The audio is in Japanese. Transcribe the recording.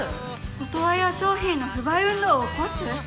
「オトワヤ商品の不買運動を起こす」！？